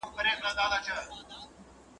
د بل غم تر واوري سوړ دئ.